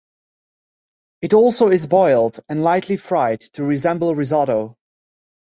It also is boiled and lightly fried, to resemble risotto.